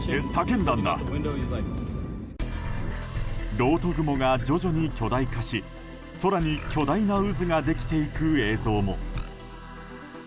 ろうと雲が徐々に巨大化し空に巨大な渦ができていく映像も。